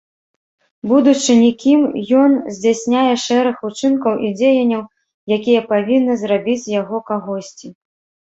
Будучы нікім, ён здзяйсняе шэраг учынкаў і дзеянняў, якія павінны зрабіць з яго кагосьці.